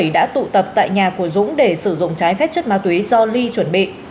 đã tụ tập tại nhà của dũng để sử dụng trái phép chất ma túy do ly chuẩn bị